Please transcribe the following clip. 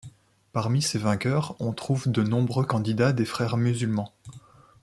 Parmi ces vainqueurs, on trouve de nombreux candidats des Frères musulmans.